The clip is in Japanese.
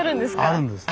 あるんです。